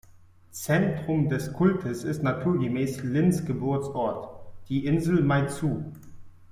Zentrum des Kultes ist naturgemäß Lins Geburtsort, die Insel Meizhou.